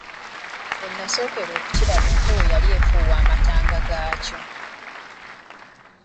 We nasookera okukiraba empewo yali efuuwa amatanga gaakyo.